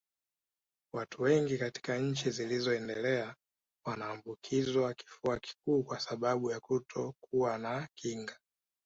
Watu wengi katika nchi zilizoendelea wanaambukizwa kifua kikuu kwa sababu ya kutokuwa na kinga